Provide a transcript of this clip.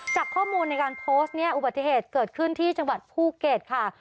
จากข้อมูลในการโพสต์เนี่ยอุบัติเหตุเกิดขึ้นที่จังหวัดภูเก็ตค่ะ